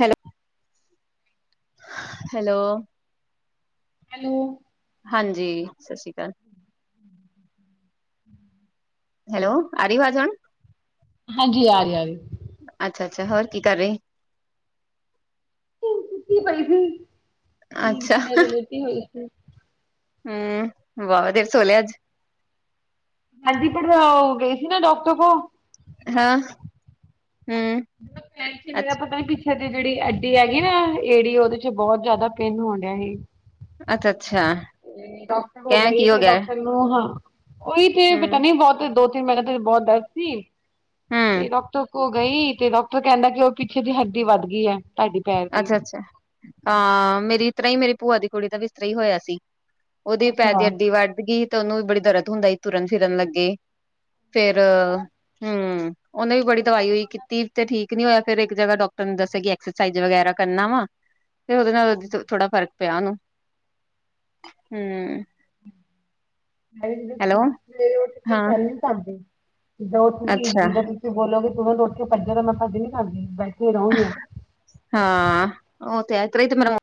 Hello, hello hello ਹਾਂਜੀ, ਸਤਿ ਸ੍ਰੀ ਅਕਾਲ। ਹਮ ਹਮ ਹੈਲੋ, ਆਰੀ ਵਾਜਨ ਹਾਂਜੀ ਆ ਰਹੀ ਆ ਰ ਅੱਛਾ, ਅੱਛਾ ਹੋਰ ਕੀ ਕਰ ਰਹੇ ਤੀ ਪ ਮਿਲ ਅੱਛਾ ਖੇ ਰਲੇਤੀ ਹੋ [unintelligible] ਹਮ, ਵਾਹਵਾ ਦੇਰ ਸੋ ਲਿਆ ਅੱਜ ਹਾਂਜੀ, ਪਰ ਗਏ ਸੀ ਨਾ ਡਾਕਟਰ ਕੋਲ ਹਾਂ ਹਮ ੈ ਮੇਲਾ ਪ ਕਿ [unintelligible] ਇੱਥੇ ਦੀ ਜਿਹੜੀ ਅੱਡੀ ਹੈਗੀ ਨਾ ਏੜੀ ਉਹਦੇ ਚ ਬਹੁਤ ਜ਼ਿਆਦਾ ਪੇਨ ਹੋਣ ਦਿਆ ਸੀ। ਅੱਛਾ -ਅੱਛਾ ਡਾਕਟਰ ਹੋ ਕਹਿ ਗਏ ਕੀ ਤੇ ਗਿਆ ਡਾਕਟਰ ਨੂੰ ਹਾਂ, ਉਹੀ ਤੇ ਹੂੰ ਪਤਾ ਨੀ ਬਹੁਤ ਦੋ ਮੇਰਾ ਤੇ ਬਹੁਤ ਦਰਦ ਸੀ, ਤੇ ਹੂੰ ਡਾਕਟਰ ਓ ਗਈ, ਤੇ ਡਾਕਟਰ ਕਹਿੰਦਾ ਕਿ, ਉਹ ਪਿੱਛੇ ਦੀ ਹੱਡੀ ਵੱਧ ਗਈ ਐ। ਅੱਛਾ-ਅੱਛਾ, ਹਾਂ, ਮੇਰੀ ਇ ਤਰਾਂਈ, ਮੇਰੀ ਭੂਆ ਦੀ ਕੁੜੀ ਦਾ ਵੀ ਇਸ ਤਰਾਂ ਹੀ ਹੋਇਆ ਸੀ। ਉਹਦੀ, ਪੈਰ ਦੀ ਅੱਡੀ ਵੱਧ ਗਈ। ਤੇ ਉਹਨੂੰ ਵੀ ਬੜੀ ਦਰਦ ਹੁੰਦਾ ਸੀ ਤੁਰਨ ਫਿਰਨ ਲੱਗੇ ਫੇਰ ਹਮ ਉਹਨੇ ਵੀ ਬੜੀ ਦਵਾਈਈ ਅੱਛਾ ਕੀਤੀ ਤੇ ਠੀਕ ਨੀ ਹੋਇ ਫਿਰ ਇੱਕ ਜਗ੍ਹਾ ਡਾਕਟਰ ਨੇ ਦੱਸਿਆ ਕਿ ਐਕਸਰਸਾਈਜ਼ ਵਗੈਰਾ ਕਰਨਾ ਵਾ। ਤੇ ਉਹਦੇ ਨਾਲ ਉਹਦੀ ਥੋੜਾ ਫ਼ਰਕ ਪਿਆ ਉਹਨੂੰ ਹਮ ਉਹਥ ਹਾਂ ਚੱਲ ਨੀ ਸਕਦੇ ਜਿੱਦਾਂ ਉਹ ਤੁਸੀ ਅੱਛਾ ਜਿੱਦਾਂ [unintelligible] ਵੀ ਬੋਲੋ ਕਿ ਤੂੰ ਮੈੂੰ ਉੱਥੇ ਭੱਜਿਆ ਤਾਂ ਮੈਂ ਭੱਜ ਨੀ ਸਕਦੀ ਬੈਠੀ ਰਹਾਂਗੀ। ਹਾਂ, ਉਹ ਤੇ ਆ ਮ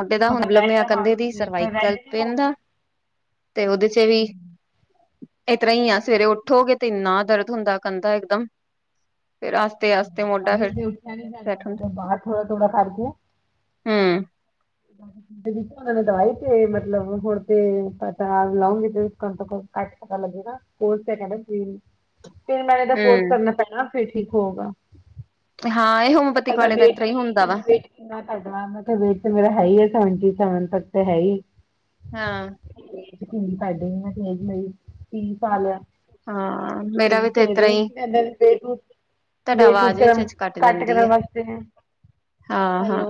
ਮੁੰਡੇ ਦਾ ਹੁਣੁ ਮਤਲਬ ਰੈਡ ਲਮਿਆ ਕਦੇ ਦੀ ਹਾਂਜੀ ਫਿਰ ਰੈਡ ਸਰਵਾਈਕਲ ਨਹੀਂ ਪ ਹੋ ਦਾ [unintelligible] ਤੇ ਉਹਦੇ ਚ ਵੀ ਇਸ ਤਰ੍ਹਾਂ ਹੀ ਆ ਸਵੇਰੇ ਉੱਠੋਗੇ ਤੇ ਇੰਨਾ ਦਰਦ ਹੁੰਦਾ ਕੰਧ ਇਕਦਮ ਫਿਰ ਆਸਤੇ ਅ ਮੋਢਾ ਵੀ ਫਿਰ ਤੇੇ ਉੱਠਿਆ ਨੀ ਜਾਂਦਾ ਸੈਟ ਉਹਦਾ ਹੁੰਦਾ ਬਾਹਰ ਥੋੜਾ -ਥੋੜਾ ਕਰਕੇ ਹੂੰ। [inaudible] ਉਹਨਾਂ ਨੇ ਦਵਾਈ ਤੇ ਮਤਲਬ, ਹੁਣ ਤੇ, ਪਤਾ ਲਾਉਂਗੇ ਘੱਟ ਤੋਂ ਘੱਟ ਪਤਾ ਲੱਗੇਗਾ, ਕੋਲ ਤਾਂ ਹੈਵਨ ਜੀ। ਤਿੰਨ ਮਹੀਨੇ ਦਾ ਕੋਰਸ ਹੂੰ ਕਰਨਾ ਪੈਣਾ, ਫਿਰ ਠੀਕ ਹੋਊਗਾ। ਹਾਂ, ਇਹ ਹੋਮੋਪੈਥਿਕ ਕਹਿੰਦਾ ਵਾਲੇ ਤਾਂ ਇਹਤਰਾਂ ਹੀ ਵੀ ਹੁੰਦਾ ਕਹਿੰਦਾ ਵਾ। ਕਿੰਨਾ ਤੁਹਾਡਾ? ਮੈ ਕਿਆ ਵੇਟ ਤੇ ਮੇਰਾ ਹੈ ਹੀਆ, ਸੈਵਨਟੀ- ਸੈਵਨ ਤੱਕ ਤੇ ਹੈਹੀ। ਹਾਂ। ਸਾਡੇ ਨਾ ਖੇਜ ਲਈ, ਕੀ ਪਾ ਲਿਆ। ਹਾਂ ਮੇਰਾ ਵੀ ਤੇ ਇਸ ਏਦਾਂ ਤਰ੍ਹਾਂ ਹੀ ਦੇ ਵੇਟ ਲੂਜ ਤੁਹਾਡਾ ਵੇਟ-ਉਟ ਆਵਾਜ਼ ਵਿੱਚ ਕਰਨ ਵਿੱਚ ਕੱਟ ਘੱਟ ਜਾਂਦੀ ਆ ਕਰਨ ਵਾਸਤੇ, ਹਾਂ ਹਾਂ ਹੈਲੋ।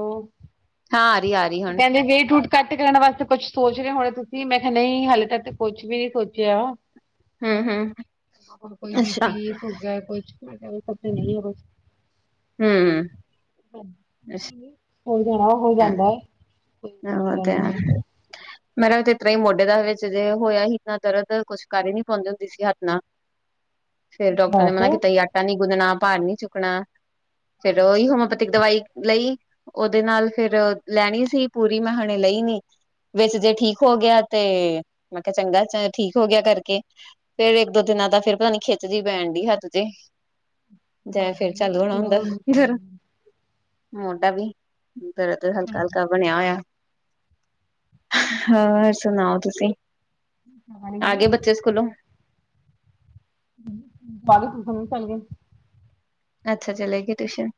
ਹਾਂ, ਆਰੀ, ਆ ਰਹੀ। ਹੁਣ ਕਹਿੰਦੇ ਵੇਟ, ਉਠ ਘੱਟ ਕਰਣ ਵਾਸਤੇ ਕੁਛ ਸੋਚ ਰਹੇ ਹੋਣੇ ਤੁਸੀਂ, ਮੈਂ ਕਿਹਾ ਨਹੀਂ। ਹਾਲੇ ਤੱਕ ਕੁਛ ਵੀ ਨੀ ਸੋਚਿਆ। ਹੂੰ ਹੂੰ ਕੋਈ ਅੱਛਾ ਬੀਪੀ ਹੋਗਿਆ ਕੂਛ, ਮੈਂ ਕਿਆ ਓ ਪਤਾ ਨਹੀਂ ਏ ਹੂੰ ਹੋ ਜਾਣਾ, ਹੋ ਜਾਂਦਾ। ਕੋਈ ਵੱਡੀ ਹ ਗੱਲ ਤੇ ਨਹੀਂ [unintelligible] ਮੇਰਾ ਇਹ ਤਰ੍ਹਾਂ ਹੀ ਮੋਢੇ ਦਾ ਵਿੱਚ ਜੇ, ਹੋਇਆ ਹੀ ਤਾਂ ਦਰਦ ਕੁਛ ਕਰ ਹੀ ਨੀ ਪਾਉਂਦੀ ਹੁੰਦੀ ਸੀ, ਹੱਥ ਨਾਲ। ਫਿਰ ਡਾਕਟਰ ਨੇ ਮਨਾ ਕੀਤਾ ਈ, ਆਟਾ ਨੀ ਗੁੰਨਣਾ, ਭਾਰ ਨੀ ਚੁੱਕਣਾ। ਫਿਰ ਉਹੀ ਹੋਮੋਪੈਥਿਕ ਦਵਾਈ ਲਈ, ਉਹਦੇ ਨਾਲ ਫਿਰ ਲੈਣੀ ਸੀ। ਪੁਰੀ ਮਹਾਣੇ ਲਈ ਨੀ। ਵਿੱਚ ਜੇ ਠੀਕ ਹੋ ਗਿਆ ਤੇ, ਮੈਂ ਕਿਹਾ ਚੰਗਾ ਠੀਕ ਹੋ ਗਿਆ ਕਰਕੇ। ਫਿਰ ਇੱਕ, ਦੋ ਦਿਨਾਂ ਦਾ ਫਿਰ ਪਤਾ ਨੀ, ਖਿੱਚ'ਜੀ ਪੈਣ ਡਈ ਹੱਥ ਤੇ। ਜਾਂ ਫਿਰ ਚਾੱਲੁ ਹੋਣਾ ਨਹੀਂ ਹੁੰਦਾ, ਲੋੜ ਨਹੀਂ ਗਰਮ ਪੈਂਦੀ ਮੋਢਾ ਵੀ। ਤੇਰੇ ਤੇ, ਹਲਕਾ-ਹਲਕਾ ਬਣਿਆ ਹੋਇਆ, ਹੋਰ ਸੁਣਾਓ ਤੁਸੀਂ? ਚਾਹ ਪਾਣੀ ਹੋ ਆ ਗਈ ਗਏ ਬੱਚੇ ਸਕੂਲੋਂ? ਬਾਅਧ ਟੁਸ਼ਣ ਚੱਲ ਗਏ। ਅੱਛਾ, ਚੱਲੇ ਗਏ ਟਿਊਸ਼ਨ।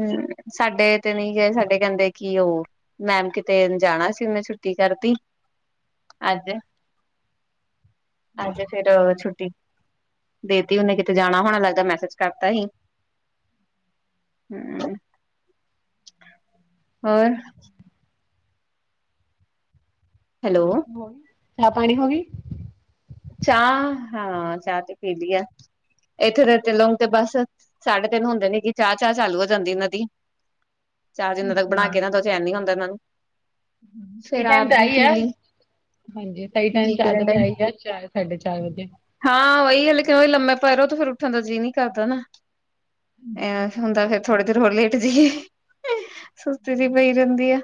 ਹੂੰ, ਸਾਡੇ ਤੇ ਨਹੀਂ ਗਏ, ਸਾਡੇ ਕਹਿੰਦੇ ਕੀ ਉਹ ਮੈਮ ਕਿਤੇ ਜਾਣਾ ਸੀ, ਮੈਂ ਛੁੱਟੀ ਕਰਤੀ ਅੱਜ ਅੱਜ ਫਿਰ ਛੁੱਟੀ, ਦੇਤੀ ਉਹਨੇ, ਕਿਤੇ ਜਾਣਾ ਹੋਣਾ ਲੱਗਦਾ ਮੈਸੇਜ ਕਰਤਾ ਹੀ ਹਮ ਹੋਰ ਹੈਲੋ ਹੋ ਚਾਹ ਪਾਣੀ ਹੋ ਗਈ ਚਾਹ ਹਾਂ ਚਾਹ ਤੇ ਪੀ ਦੀ ਆ ਇੱਥੇ ਰਤੇ ਲੋਂਗ ਤੇ ਬਸ ਸਾਢੇ ਤਿੰਨ ਹੁੰਦੇ ਨੇ ਕਿ ਚਾਹ ਚਾਹ ਚਾਲੂ ਹੋ ਜਾਂਦੀ ਨ ਦੀ ਚਾਰ ਦਿਨਾਂ ਤੱਕ ਬਣਾ ਕੇ ਨਾ ਦੋ, ਚੈਨ ਨੀ ਆਂਦਾ ਇਹਨਾਂ ਨੂੰ। ਹਾਂਜੀ, ਸਹੀ ਫੇਰ ਆਪ ਟਾਈਮ ਤੇ ਵੀ ਆਈ ਪੀ ਹੈ? ਲਈ ਹਾਂਜੀ, ਸਹੀ ਟਾਈਮ ਜੀ ਕਰਨ ਚਾਦ ਡ ਆਈ ਆ ਸਾਢੇ-ਚਾਰ ਵਜੇ ਹਾਂ ਉਹੀ ਹੈ, ਲੇਕਿਨ ਉਹੀ ਲੰਮੇ ਪਏ ਰਹੋ ਤੋ, ਫਿਰ ਉੱਠਣ ਦਾ ਜੀਅ ਨਹੀਂ ਕਰਦਾ ਨਾ। ਅ, ਹੁਣ ਤਾਂ ਫਿਰ ਥੋੜੀ ਦੇਰ ਹੋਰ ਲੇਟ ਜਾਈਏ, ਸੁਸਤੀ ਜੀ ਪਈ ਰਹਿੰਦੀ ਆ।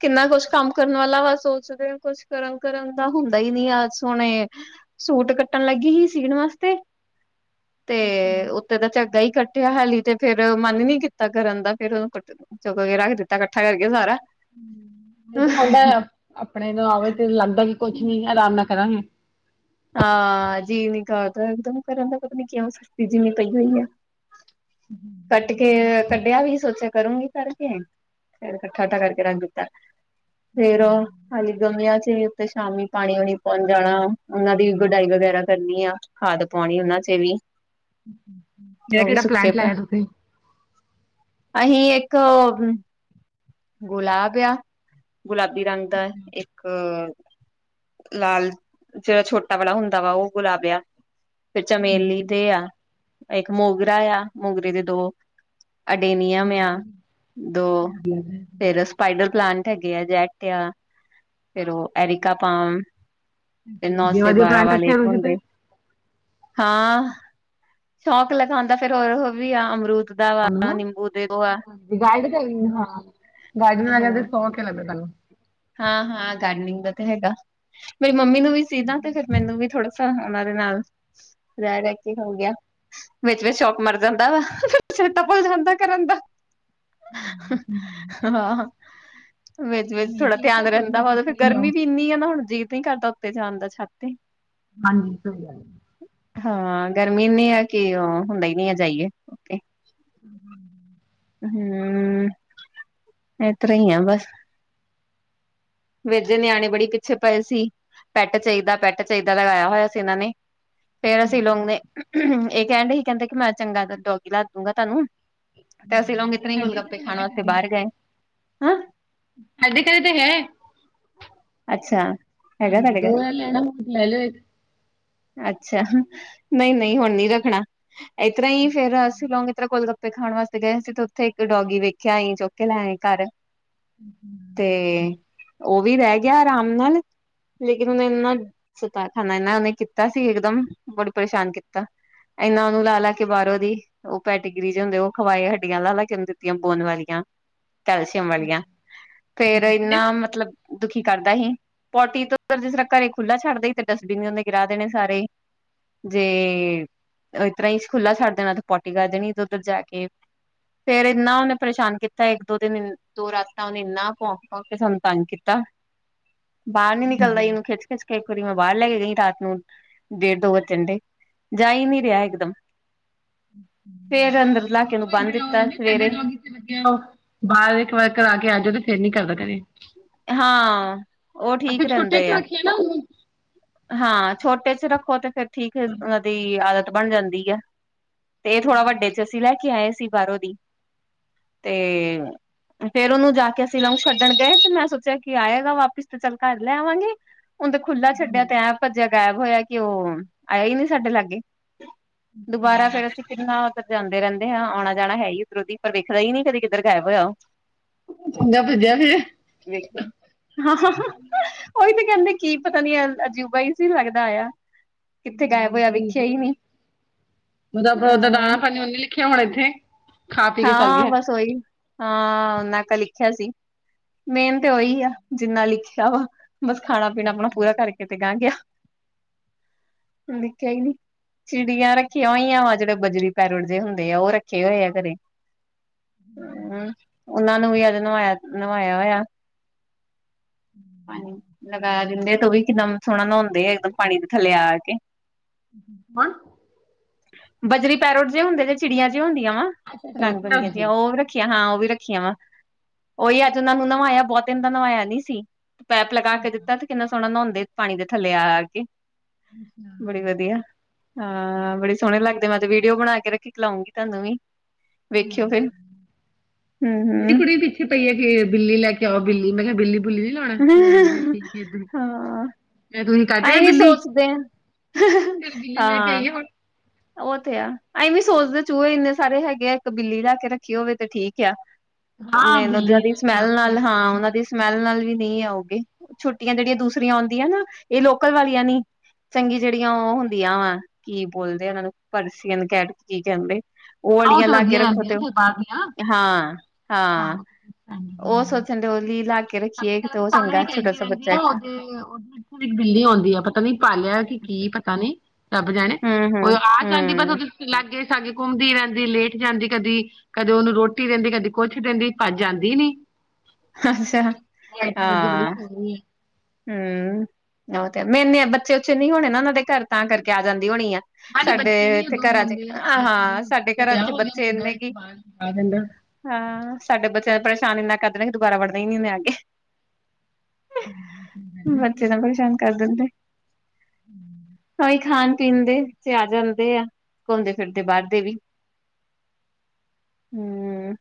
ਕਿੰਨਾ ਕੁਛ ਕੰਮ ਕਰਨ ਵਾਲਾ ਵਾ, ਸੋਚਦੇ ਕੁਛ ਕਰਨ- ਕਰਨ ਦਾ ਹੁੰਣ ਗਈ ਨਹੀਂ ਆਜ ਸੋਹਣੇ, ਸੂਟ ਕੱਟਣ ਲੱਗੀ ਹੀ, ਸੀ ਸੀਣ ਵਾਸਤੇ। ਤੇ, ਉੱਤੇ ਦਾ ਝੱਗਾ ਹੀ ਕੱਟ ੱਠਿਆ ਹਾਲੀ ਤੇ ਫੇਰ, ਮਨ ਈ ਨੀ ਕੀਤਾ ਕਰਨ ਦਾ ਫੇਰ, ਕੱਟ, ਚੁੱਕ ਕੇ ਰੱਖ ਦਿੱਤਾ ਇਕੱਠਾ ਕਰਕੇ ਸਾਰਾ। ਨਹੀਂ ਤੇ ਹੁੰਦਾ ਤਾਂ, ਆਪਣੇ ਨੂੰ ਆਵੇ ਤੇ ਲੱਗਦਾ ਵੀ, ਕੁਛ ਨੀ ਆਰਾਮ ਨਾਲ ਕਰਾਂਗੇ। ਹਾਂ ਜੀ ਨ ਕਰਦਾ ਇਕਦਮ ਕਰਨ ਦਾ ਪਤਾ ਨੀ ਕਿਂ ਸਸਤੀ ਜਿਮੀਂ ਪਈ ਹੋਈ ਆ ਕੱਟ ਕੇ ਕੱਟ ਵਿਆਹ ਵੀ ਸੋਚਿਆ ਕਰੂੰਗੀ ਕਰਕੇ ਫਿਰ ਇਕੱਠਾ ਉਠਾ ਕਰਕੇ ਰੱਖ ਦਿੱਤਾ ਫੇਰ ਹਾਲੀ ਗਮਿਆਂ ਚ ਵੀ ਉੱੇ ਸ਼ਾਮੀ ਪਾਣੀ ਵਣੀ ਪਹੁੰਚ ਜਾਣਾ ਉਹਨਾਂ ਦੀ ਵੀ ਗੁਡਾਈ ਵਗੈਰਾ ਕਰਨੀ ਆ ਖਾਦ ਪਾਉਣੀ ਉਹਨਾਂ ਚ ਵੀ ਕਿਹੜਾ ਉਹ ਵੀ ਕਿਹੜਾ ਸੁੱਕੇ ਪਲਾਂਟ ਪ ਲਾਇਆ ਤੁਸੀਂ ਅਸੀਂ ਇੱਕ ਗੁਲਾਬ ਆ ਗੁਲਾਬੀ ਰੰਗ ਦਾ ਇੱਕ ਅ ਲਾਲ ਜਿਹੜਾ ਛੋਟਾ ਵਾਲਾ ਹੁੰਦਾ ਵਾ ਉਹ ਗੁਲਾਬਿਆ ਫਿਰ ਚਮੇਲੀ ਦੇ ਆ ਇੱਕ ਮੋਗਰਾ ਆ ਮੋਗਰੇ ਦੇ ਦੋ ਅਡੇਨੀਯਮ ਆ ਦੋ [unintelligible] [inaudible] ਫੇਰ ਸਪਾਈਡਰ ਪਲਾਂਟ ਹੈਗੇ ਆ ਜੈਟ ਆ ਫੇਿਰ ਉਹ ਐਰੀਿਕਪਾਮ ਤੇ ਨੌ ਵਧੀਆ ਸੇ ਵਧੀਆ ਬਾਰਾਂ ਪਲਾਂਟ ਵਾਲੇ ਰੱਖਿਆ ਤੁਸੀਂ ਹੁੰਦੇ ਤੇ ਹਾਂ ਸ਼ੌਕ ਲਗਾਉਂਦਾ ਫੇਿਰਰ ਵੀ ਆ ਅਮਰੂਤ ਤੁਨੂੰ ਹਜੀ ਗਾਈਡ ਹਾਂ ਗਾਈਡ ਲਗ ਹਾਂ ਸੌ ਕੇ ਲੱ ਤੁਨੂੰ ਹਾਂ ਹਾਂ ਗਾਰਡਨਿੰਗ ਦਾ ਤੇ ਹੈਗਾ ਮੇਰੀ ਮੰਮੀ ਨੂੰ ਵੀ ਸੀਦ ਤੇ ਫੇਿਰ ਮੈਨੂੰ ਵੀ ਥੋੜ੍ਹਾ ਉਹਨਾਂ ਦੇ ਨਾਲ ਰ ਲ ਕੇ ਹੋ ਗਿਆ ਵਿੱਚ ਵਿਚ ਸ਼ੌਕ ਮਰ ਜਾਂਦਾ ਵਾ ਫ ਸੇਤਾ ਭੁੱਲ ਜਾਂਦਾ ਕਰਨ ਦਾ ਹਾਂ ਵਿੱਚ ਨਹੀਂ ਥੋੜ੍ਹਾ ਠੀਕ ਹੈ ਧਿਆਨ ਕੁਝ ਨਾ ਰਹਿੰਦਾ ਵਾ ਕੁਝ ਫਰ ਕਰੀ ਜਾਓ ਗਰਮੀ ਵੀ ਇਨੀ ਆ ਨਾ ਹੁਣ ਜੀਅਤ ਨ ਕਰਦਾ ਉੱਤੇ ਜਾਣ ਦਾ ਛਾਤੇ ਹਾਂਜੀ ਸਹੀ ਗੱਲ ਹਾਂ ਗਰਮੀਨੀ ਆ ਕਿ ਉਹ ਹੁੰਦਾ ਹੀ ਨਹੀਂੀ ਆ ਜਾਈਏਓ ਹਮ ਹਮ ਹਮ ਇਤ ਆ ਬਸ ਵੇਜੇ ਨਿਆਣੇ ਬੜੀ ਪਿੱਛੇ ਪਏ ਸੀ ਪੈਟ ਚਾਹੀਦਾ ਪੈਟ ਚਾਹੀਦਾ ਲਗਾਇਆ ਹੋਇਆ ਸੀ ਇਹਨਾਂ ਨੇ ਫੇਰ ਅਸੀਂ ਲੋਕ ਨੇ ਇਹ ਕਹਿਣ ਡ ਹੀ ਕਹਿੰਦੇ ਕਿ ਮੈਂ ਚੰਗਾ ਡੋਗੀ ਲਾ ਦੂਗਾ ਤੁਹਾਨੂੰ ਤੇ ਅਸੀਂ ਲਾਗੇ ਕਿ ਤਨ ਹੀ ਗੁਲਗੱਪੇ ਖਾਣਾ ਉੱਥੇ ਬਾਹਰ ਗਏ ਹੈਂ ਸਾਦੇ ਕਦੇ ਤਾਂ ਹੈ ਅੱਛਾ ਹੈਗਾ ਹਾਂਜੀ ਤੁਹਾਡੇ ਦੋ ਦਿਨ ਲੈਣਾ ਲੈ ਲਓ ਅੱਛਾ ਨਹੀਂ ਨਹੀਂ ਹੁਣ ਨੀ ਰੱਖਣਾ ਇਸ ਤਰ੍ਹਾਂ ਹੀ ਫੇਰ ਅਸੀਂ ਲੋਂਗ ਇਸ ਤਰ ਕੋਲਦਾ ਚੱਪੇ ਖਾਣ ਵਾਸਤੇਏ ਸੀ ਤੇ ਉੱਥੇ ਇੱਕ ਡੋਗੀ ਵੇਖਿਆ ਆਈਂ ਚੁੱਕਕੇ ਲੈ ਆਏ ਘਰ ਤੇ ਉਹ ਵੀ ਰਹਿ ਗਿਆ ਆਰਾਮ ਨਾਲ ਲੇਕਿਨ ਉਹਨੇ ਇੰਨਾ ਸੁਤਾ ਖਾਨਾ ਇਨਾ ਉਹਨੇ ਕੀਤਾ ਸੀ ਇੱਕਦਮ ਬੜੀ ਪਰੇਸ਼ਾਨ ਕੀਤਾ ਇੰਨਾ ਉਹਨੂੰ ਲਾ ਲਾ ਕੇ ਬਾਹਰੋਂ ਦੀ ਉਹ ਪੈਟੇਗਰੀ ਚ ਹੁੰਦੇ ਉਹ ਖਵਾਏ ਹੱਡੀਆਂ ਲਾਲ ਲਾ ਕੇਂ ਦਿੱਤੀਆਂ ਬੋਨ ਵਾਲੀਆਂ ਕੈਲਸ਼ੀਅਮ ਵਾਲੀਆਂ, ਫੇਰ ਇੰਨਾ ਮਤਲਬ ਦੁਖੀ ਕਰਦਾ ਸੀ, ਪੋਟੀ ਤੋਂ ਜਿਸ ਤਰ੍ਹਾਂ ਘਰੇ ਖੁੱਲ੍ਹਾਂ ਛੱਡਦੇ ਸੀ, ਤੇ ਡਸਟਬਿਨ ਵੀ ਉਹਦੇ ਗਿਰਾ ਦੇਣੇ ਸਾਰੇ। ਜੇ ਇਸ ਤਰ੍ਹਾਂ ਹੀ ਖੁੱਲਾ ਛੱਡ ਦੇਣਾ ਤੇ ਪੋਟੀ ਕਰ ਦੇਣੀ ਤੇ ਉੱਧਰ ਜਾ ਕੇ ਫੇਰ ਇੰਨਾ ਉਹਨੇ ਪਰੇਸ਼ਾਨ ਕੀਤਾ ਇੱਕ ਦੋ ਦਿਨ ਦੋ ਰਾਤਾਂ ਉਹਨੇ ਇੰਨਾ ਭੋਂਖ ਭੋਂਖ ਕੇ ਸੰਤਾਨ ਕੀਤਾ ਬਾਹਰ ਨੀ ਨਿਕਲਦਾ ਇਹਨੂੰ ਖਿੱਚ ਖਿੱਚ ਕੇ ਇੱਕ ਵਾਰੀ ਮੈਂ ਬਾਹਰ ਲੈ ਕੇ ਗਈ ਰਾਤ ਨੂੰ ਡੇਢ ਦੋ ਵ ਝੰਡੇ ਜਾਈ ਨਹੀਂੀ ਰਿਹਾ ਇਕਦਮ ਫਰ ਅੰਦਰ ਲਲਾਕੇ ਨੂੰ ਬੰਨ ਦਿੱਤਾ ਸਵੇਰੇ ਲੱਿਆ ਬਾਹਰ ਇੱਕ ਵਾਰ ਕਰਾ ਕੇ ਆ ਜਾਓ ਤੇ ਫੇਰ ਨੀ ਕਰਦਾ ਕ ਹਾਂ ਉਹ ਠੀਕ ਛੋਟੇ ਰਹਿੰਦੇ ਤੋਂ ਆ ਰੱਖਿਆ ਨਾ ਹਾਂ ਛੋਟੇ ਚ ਰੱਖੋ ਤੇ ਫੇਿਰ ਠੀਕ ਉਹਨਾਂ ਦੀ ਆਦਤ ਬਣ ਜਾਂਦੀ ਹੈ ਤੇ ਇਹ ਥੋੜਾ ਵੱਡੇ ਚ, ਅਸੀਂ ਲੈ ਕੇ ਆਏ ਸੀ। ਬਾਹਰੋਂ ਦੀ, ਤੇ ਫੇਰ ਉਹਨੂੰ ਜਾ ਕੇ ਅਸੀਂ ਲਊ ਛੱਡਣ ਗਏ ਤੇ ਮੈਂ ਚਾ ਕੀ ਆਏਗਾ ਵਾਪਿਸ ਤੇ ਚੱਲ ਘਰ ਲੈ ਆਵਾਂਗੇ, ਹੁਣ ਤੇ ਖੁੱਲਾ ਛੱਡਿਆ ਪਿਆ। ਭੱਜਿਆ ਗਾਇਬ ਹੋਇਆ ਕਿ ਉਹ ਆਇਆ ਹੀ ਨਹੀਂ ਸਾਡੇ ਲਾਗੇ, ਦੁਬਾਰਾ ਉਹਨੂੰ ਫੇਰ ਅਸੀਂ ਕਿੰਨਾ ਉੱਧਰ ਜਾਂਦੇ ਰਹਿੰਦੇ ਆ, ਆਣਾ ਜਾਣਾ ਹੈ ਹੀ ਉੱਧਰੋਂ ਦੀ ਪਰ ਦਿਖਦਾ ਹੀ ਨਹੀਂ ਕਦੀ, ਕਿੱਧਰ ਗਾਇਬ ਹੋਇਆ ਉਹ। ਚੰਗਾ ਭੱਜਿਆ ਫੇਰ ਹੈਂ। ਵੇਖਦਾ ਹਾਂ-ਹਾਂ-ਹਾਂ ਉਹੀ ਤੇ ਕਹਿੰਦੇ, ਕੀ ਪਤਾ ਨੀ ਅਜੂਬਾ ਹੀ ਸੀ ਲੱਗਦਾ ਆਇਆ। ਕਿੱਥੇ ਗਾਇਬ ਹੋਇਆ ਵੇਖਿਆ ਹੀ ਹੂੰ-ਹੂੰ, ਨੀ ਓਦਾ ਦਾਣਾ ਅਹ ਪਾਣੀ ਉਹਨੇ ਲਿਖਿਆ ਹੋਣਾ ਇੱਥੇ। ਖਾ ਪੀ ਕੇ ਚੱਲ ਹਾਂ, ਗਿਆ ਬਸ ਓਹੀ। ਹਾਂ ਓਨਾ ਕ ਲਿਖਿਆ ਸੀ, ਮੇਨ ਤੇ ਉਹੀ ਆ ਜਿੰਨਾ ਲਿਖਿਆ ਵਾ। ਬਸ ਖਾਣਾ- ਪੀਣਾ ਆਪਣਾ ਪੂਰਾ ਕਰਕੇ, ਤੇ ਗਾਂਹ ਗਿਆ ਦਿਖਿਆ ਹੀ ਨਹੀਂ। ਚਿੜੀਆਂ ਰੱਖੀਆਂ ਹੋਈਆਂ ਵਾ, ਜਿਹੜੇ ਬਜਰੀ ਪੈਰਟ ਜੇ ਹੁੰਦੇ ਆ ਉਹ ਰੱਖੇ ਹੋਏ ਆ ਘਰੇਂ। ਹੂੰ, ਉਹਨਾਂ ਨੂੰ ਵੀ ਅੱਜ ਨਵਾਇਆ -ਨਵਾਇਆ ਹੋਇਆ। ਪਾਣੀ ਲਗਾ ਦਿੰਦੇ ਆ, ਤੇ ਉਹ ਵੀ ਇਕਦਮ ਸੋਹਣਾ ਨਹਾਉਂਦੇ ਆ, ਇੱਕਦਮ ਪਾਣੀ ਦੇ ਥੱਲੇ ਆ ਕੇ। ਹਨ ਬਜਰੀ ਪੈਰੋਟ ਜਿਹੇ ਹੁੰਦੇ ਜੇ ਚਿੜੀਆਂ ਜਿਹੀ ਹੁੰਦੀਆਂ ਵਾ, ਰੰਗ ਬਿਰੰਗੀਆਂ ਜਾ ਉਹ ਰੱਖ ਰੱਖੀਆਂ ਹਾਂ, ਉਹ ਵੀ ਰੱਖੀਆਂ ਵਾ ਉਹੀ ਅੱਜ ਉਹਨਾਂ ਨੂੰ ਨਿਵਾਇਆ, ਬਹੁਤ ਦਿਨ ਦਾ ਨਵਾਇਆ ਨੀ ਸੀ। ਪੈਪ ਲਗਾ ਕੇ ਦਿੱਤਾ, ਤੇ ਕਿੰਨਾ ਸੋਹਣਾ ਨਹਾਉਂਦੇ ਪਾਣੀ ਦੇ ਥੱਲੇ ਆ ਆ ਕੇ। ਬੜੀ ਵਧੀਆ। ਹਾਂ ਬੜੇ ਸੋਹਣੇ ਲੱਗਦੇ, ਮੈਂ ਤੇ ਵੀਡੀਓ ਬਣਾ ਕੇ ਰੱਖੀ, ਕਲਾਉਂਗੀ ਤੁਹਾਨੂੰ ਵੀ। ਹਾਂ, ਵੇਖਿਓ ਫਿਰ ਹੂੰ ਮੇਰੀ ਹੂੰ ਕੁੜੀ ਪਿੱਛ ਪਈ ਹੈ ਕਿ ਬਿੱਲੀ ਲੈ ਕੇ ਆਓ ਬਿੱਲੀ, ਮੈਂ ਕਿਹਾ ਬਿੱਲੀ ਬੁੱਲੀ ਨੀ ਲਾਣਾ ਰਹਿਣ ਦੀ ਠੀਕ ਏ ਏਧਰ। ਹਾਂ ਮੈਂ ਤੁਸੀਂ ਕੱਟ ਆਏ ਅਸੀਂ ਵੀ ਬਿੱਲੀ, ਸੋਚਦੇ ਹਾਂ ਚੱਲ ਬਿੱਲੀ ਲੈ ਕੇ ਹਾਂ ਆਈਏ ਹੁਣ। ਉਹ ਤੇ ਆ, ਐਏਂ ਵੀ ਸੋਚਦੇ ਚੂਹੇ ਇੰਨੇ ਸਾਰੇ ਹੈਗੇ ਆ, ਇੱਕ ਬਿੱਲੀ ਲਾ ਕੇ ਰੱਖੀ ਹੋਵੇ ਤੇ ਠੀਕ ਆ। ਹਾਂ ਮੈਨੂੰ ਜ ਬਿੱਲੀ ਉਹਨਾਂ ਦੀ ਲੈ ਕੇ ਸਮੈਲ ਰੱਖੋਗੇ ਨਾਲ, ਤੇ ਹਾਂ ਜਵਾਨੀ ਉਹਨਾਂ ਦੀ ਹੁੰਦਾ ਸਮੈਲ ਨਾਲ ਵੀ ਨਹੀਂ ਆਉਗੇ, ਛੋਟੀਆਂ ਜਿਹੜੀਆਂ ਦੂਸਰੀਆਂ ਆਉਂਦੀਆਂ ਨਾ, ਇਹ ਲੋਕਲ ਵਾਲੀਆਂ ਨੀ। ਚੰਗੀ ਜਿਹੜੀਆਂ ਉਹ ਹੁੰਦੀਆਂ ਵਾਂ ਕੀ ਬੋਲਦੇ ਉਹਨਾਂ ਨੂੰ, ਪਰਸ਼ੀਅਨ ਕੈਟਸ ਕੀ ਕਹਿੰਦੇ। ਉਹ ਹਾਂ ਵਾਲੀਆਂ ਤੇ ਲਾ ਕੇ ਵਧੀਆ ਰੱਖੋ, ਤੇ ਰਹਿੰਦੀਆਂ ਫਿਰ ਬਾਹਰ ਦੀਆਂ ਹਾਂ- ਹਾਂ ਉਹ ਸੋਚਣ ਡੋਲੀ ਲੱਗ ਪਹਿਲੇ ਕ ਤਾਂ ਸਾਨੂੰ ਈ ਕਹਿੰਦੀ ਰਹਿੰਦੀ ਆ ਨਾ ਉਹ ਉਰੇ ਇੱਕ ਬਿੱਲੀ ਆਉਂਦੀ ਆ, ਪਤਾ ਨੀ ਪਾਲਿਆ ਕਿ ਕੀ ਪਤਾ ਨੀ ਰੱਬ ਜਾਣੇ ਹੂੰ ਹੂੰ ਉਹ ਆ ਜਾਂਦੀ, ਬਸ ਹੂੰ ਉਹ ਲਾਗੇ ਸਾਗੇ ਘੁੰਮਦੀ ਰਹਿੰਦੀ, ਲੇਟ ਜਾਂਦੀ ਕਦੀ। ਕਦੇ ਉਹਨੂੰ ਰੋਟੀ ਦਿੰਦੀ, ਕਦੇ ਕੁੱਛ ਦਿੰਦੀ ਭੱਜ ਜਾਂਦੀ ਨੀ। ਅੱਛਿਆ ਤੇ ਐਦੂ ਵੱਧ ਬੜੀ ਸੋਹਣੀ ਏ। ਹੂੰ ਉਹ ਤੇ ਐ, ਮੇਨੇ ਬੱਚੇ ਬੁੱਚੇ ਨੀ ਹੋਣੇ ਉਹਨਾਂ ਦੇ ਘਰ, ਤਾਂ ਕਰਕੇ ਆ ਜਾਂਦੀ ਹੋਣੀ ਐ। ਹਾਂਜੀ ਸਾਡੇ ਬੱਚੇ ਨੇ ਇੱਥੇ ਦੋ ਘਰਾਂ ਚ ਮੁੰਡੇ ਹ ਇੱਕ ਕੁੜੀ ਹਾਂ, ਸਾਡੇ ਦਾ ਘਰਾਂ ਵਿਆਹ ਚ ਹੋ ਗਿਆ ਬੱਚੇ ਮੁੰਡਾ ਇਨੇ ਇੱਕ ਕੀ ਬਾਹਰ ਆ ਜਾਂਦਾ ਹਾਂ। ਸਾਡੇ ਬੱਚਿਆਂ ਨੂੰ, ਪਰੇਸ਼ਾਨ ਇੰਨਾ ਕਰਦੇ ਨੇ, ਕਿ ਦੁਬਾਰਾ ਵੜਦਾ, ਹੀ ਨਹੀਂ, ਉਹਨੇ ਆ ਕੇ। [inaudible] ਬੱਚੇ ਤਾਂ ਪਰੇਸ਼ਾਨ ਕਰ ਦਿੰਦੇ, ਤਾਂਹੀ ਖਾਣ- ਪੀਣ ਦੇ ਇੱਥੇ ਆ ਜਾਂਦੇ ਆ, ਘੁੰਮਦੇ ਫਿਰਦੇ ਬਾਹਰ ਦੇ ਵੀ। ਹੂੰ,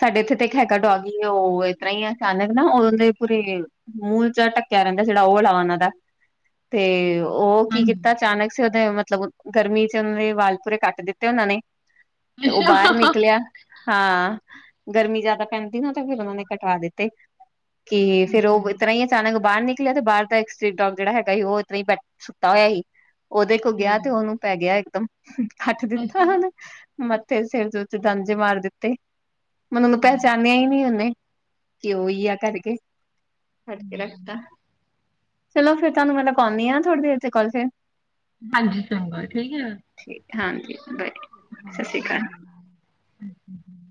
ਸਾਡੇ ਇਥੇ ਤੇ ਇੱਕ ਹੈਗਾ ਡੌਗੀ, ਉਹ ਇਤਰ੍ਹਾਂ ਈ ਐ ਅਚਾਨਕ ਨਾ ਉਦੋਂ ਦੇ ਪੂਰੀ ਮੂੰਹ ਜਾ ਢੱਕਿਆ ਰਹਿੰਦਾ ਜਿਹੜਾ ਉਹ ਵਾਲਾ ਉਹਨਾਂ ਦਾ, ਤੇ ਉਹ ਕੀ ਕੀਤਾ ਹਾਂਜੀ ਅਚਾਨਕ ਸੀ, ਉਹਦੇ ਮਤਲਬ ਗਰਮੀ ਚ ਉਹਨਾਂ ਦੇ ਵਾਲ ਪੂਰੇ ਕੱਟ ਦਿੱਤੇ ਉਹਨਾਂ ਨੇ। ਤੇ ਉਹ ਬਾਹਰ ਅੱਛਾ ਨਿਕਲਿਆ ਹਾਂ ਗਰਮੀ ਜਿਆਦਾ ਪੈਂਦੀ ਨਾ, ਤੇ ਫਿਰ ਉਹਨਾਂ ਨੇ ਕਟਾ ਦਿੱਤੇ। ਕੀ ਫੇਰ, ਉਹ ਅੱਛਾ ਇਤਰ ਹੀ, ਅਚਾਨਕ। ਬਾਹਰ ਨਿਕਲਿਆ ਤੇ, ਬਾਹਰ ਦਾ ਏਕ ਸਟਰੀਟ ਡੋਗ, ਜਿਹੜਾ ਹੈਗਾ ਸੀ। ਉਹ ਇਤਰਾ ਹੀ, ਬੈ ਸੁੱਤਾ ਹੋਇਆ ਸੀ। ਉਹਦੇ ਕੋਲ ਗਿਆ, ਤੇ ਠੀਕ। ਉਹਨੂੰ। ਪੈ ਗਿਆ, ਇੱਕਦਮ। ਹੱਥ ਦਿੱਤਾ ਨਾ ਅੱਛਾ ਓਹਨੂੰ, ਮੱਥੇ ਸਿਰ ਦੇ ਓਧੇ, ਪਾੰਜੇ ਮਾਰ ਦਿੱਤੇ। ਮੈਨੂੰ ਓਹਨੇ ਪਹਿਚਾਣਿਆ, ਹੀ ਨਹੀਂ ਉਹਨੇ। ਕਿ ਉਹੀ ਆ ਕਰਕੇ। ਹਕਰਾ [unintelligible] ਚਲੋ ਫੇਰ, ਤੁਹਾਨੂੰ ਮੈਂ, ਲਉਂਦੀ ਹਾਂ। ਥੋੜੀ ਦੇਰ ਤਕ ਕੋਲ ਫੇਰ। ਹਾਂਜੀ, ਚੰਗਾ, ਠੀਕ ਹੈ। ਠੀਕ ਹੈ। ਹਾਂਜੀ, ਬ ਸਤਿ ਸ਼੍ਰੀ ਅਕਾਲ। [inaudible]